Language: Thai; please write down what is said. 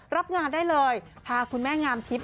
รับงานได้เลยพาคุณแม่งามทิพย